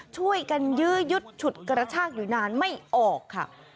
ช่วยกันยื้อยุดฉุดกระชากอยู่นานไม่ออกค่ะ